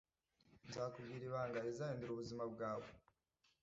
Nzakubwira ibanga rizahindura ubuzima bwawe.